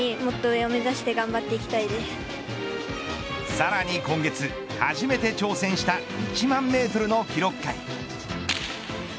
さらに今月初めて挑戦した１万メートルの記録会。